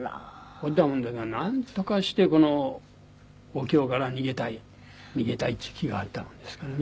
ほいだもんだからなんとかしてお経から逃げたい逃げたいっていう気があったもんですからね。